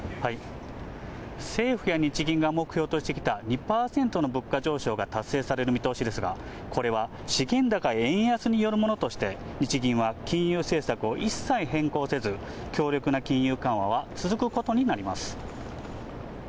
政府や日銀が目標としてきた２％の物価上昇が達成される見通しですが、これは資金高、円安によるものとして、日銀は金融政策を一切変更せず、強力な金融緩和は続くことになります。